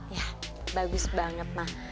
ya bagus banget mah